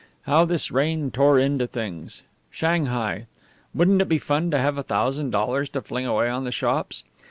How this rain tore into things! Shanghai! Wouldn't it be fun to have a thousand dollars to fling away on the shops?